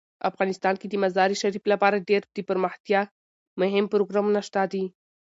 افغانستان کې د مزارشریف لپاره ډیر دپرمختیا مهم پروګرامونه شته دي.